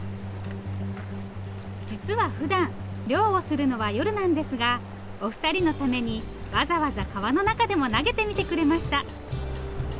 実はふだん漁をするのは夜なんですがお二人のためにわざわざ川の中でも投げてみてくれました。